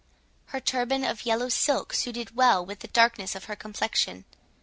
Her turban of yellow silk suited well with the darkness of her complexion.